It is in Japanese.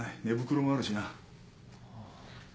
寝袋もあるしな。